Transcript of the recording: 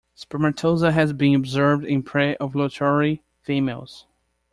Spermatozoa has been observed in pre-ovulatory females.